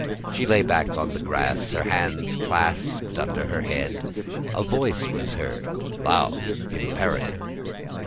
She lay back on the grass, her hands clasped under her head. A voice was heard, loud, imperative.